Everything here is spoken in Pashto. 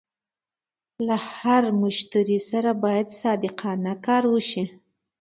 له هر مشتري سره باید صادقانه کار وشي.